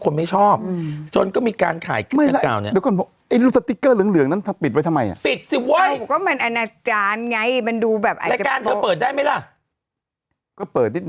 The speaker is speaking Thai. นางขายน้อยนาหรือแตงโม